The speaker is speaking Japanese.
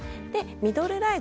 ミドルライズ。